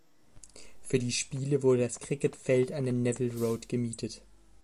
Für die Spiele wurde das Cricket-Feld an der Nevil Road gemietet.